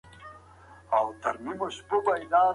د باور لرل د ټولنې د پرمختګ نښه ده.